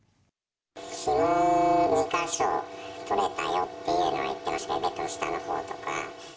指紋２か所採れたよっていうのは言ってましたね、ベッドの下のほうとか。